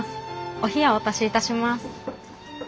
お冷やお足しいたします。